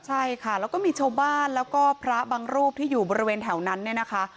ใช่ค่ะแล้วก็มีชาวบ้านแล้วก็พระบางรูปที่อยู่บริเวณแถวนั้นเนี่ยนะคะ